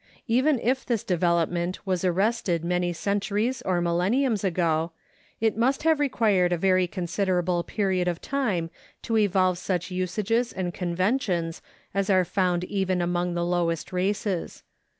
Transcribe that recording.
Even if this development was arrested many centuries or millenniums ago, it must have required a very considerable period of time to evolve such usages and conventions as are found even among the lowest races.